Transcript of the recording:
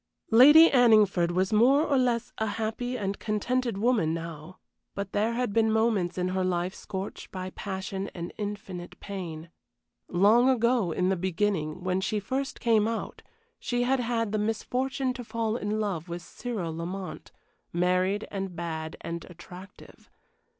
Lady Anningford was more or less a happy and contented woman now, but there had been moments in her life scorched by passion and infinite pain. Long ago in the beginning when she first came out she had had the misfortune to fall in love with Cyril Lamont, married and bad and attractive.